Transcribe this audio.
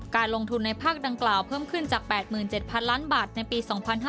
การลงทุนในภาคดังกล่าวเพิ่มขึ้นจาก๘๗๐๐ล้านบาทในปี๒๕๕๙